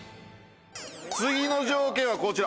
次の条件はこちら。